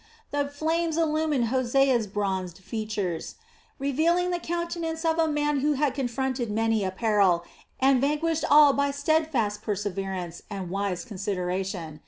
The flames illumined Hosea's bronzed features, revealing the countenance of a man who had confronted many a peril and vanquished all by steadfast perseverance and wise consideration.